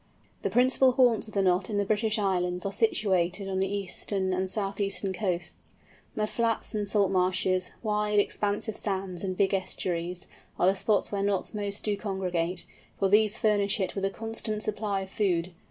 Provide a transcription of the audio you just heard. The principal haunts of the Knot in the British Islands are situated on the eastern and south eastern coasts. Mud flats, salt marshes, wide, expansive sands, and big estuaries, are the spots where Knots most do congregate, for these furnish it with a constant supply of food.